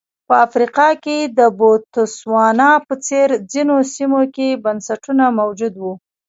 په افریقا کې د بوتسوانا په څېر ځینو سیمو کې بنسټونه موجود وو.